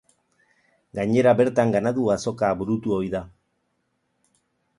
Gainera bertan ganadu azoka burutu ohi da.